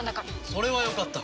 それはよかった。